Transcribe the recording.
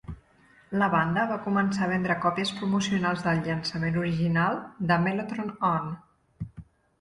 La banda va començar a vendre còpies promocionals del llançament original de Mellotron On!